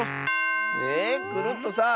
えっクルットさん